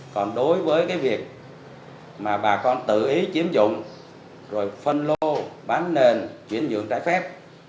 còn đối với cái việc mà bà con tự ý chiếm dụng rồi phân lô bán nền chuyển nhượng trái phép